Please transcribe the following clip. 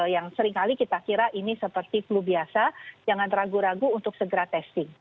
yang seringkali kita kira ini seperti flu biasa jangan ragu ragu untuk segera testing